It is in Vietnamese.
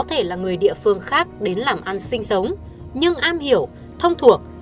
đối tượng có thể là người địa phương khác đến làm ăn sinh sống nhưng am hiểu thông thuộc